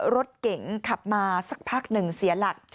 รถเก๋งขับมาสักพักหนึ่งเสียหลัก